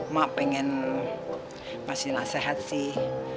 mak pengen kasih nasihat sih